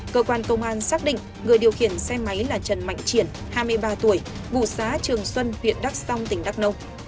cơ quan công an xác định người điều khiển xe máy là trần mạnh triển hai mươi ba tuổi vụ xá trường xuân huyện đắk song tỉnh đắk nông